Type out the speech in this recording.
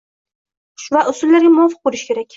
va usullariga muvofiq bo‘lishi kerak.